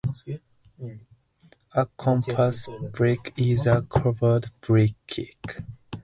A compass brick is a curved brick.